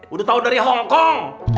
udah tau dari hongkong